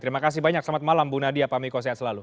terima kasih banyak selamat malam bu nadia pak miko sehat selalu